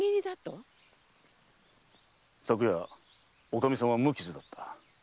昨夜女将さんは無傷だった。